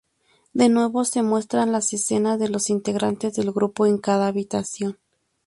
De nuevo se muestran las escenas de los integrantes del grupo en cada habitación.